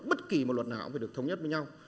bất kỳ một luật nào cũng phải được thống nhất với nhau